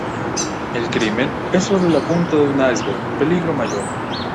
El crimen es solo la punta de un iceberg peligro mayor.